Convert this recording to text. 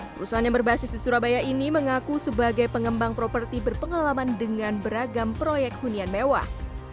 perusahaan yang berbasis di surabaya ini mengaku sebagai pengembang properti berpengalaman dengan beragam proyek hunian mewah